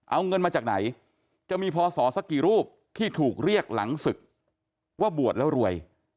เอาเงินมาจากไหนจะมีพศสักกี่รูปที่ถูกเรียกหลังศึกว่าบวชแล้วรวย